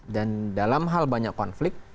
dan dalam hal banyak konflik